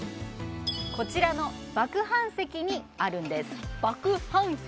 こちらの麦飯石にあるんです麦飯石？